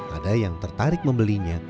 ada yang tertarik membelinya